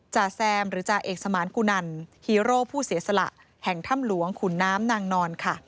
จ่าแซมหรือจ่าเอกสมานกุนันฮีโร่ผู้เสียสละแห่งถ้ำหลวงขุนน้ำนางนอนค่ะ